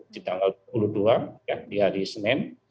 di tanggal dua puluh dua di hari senin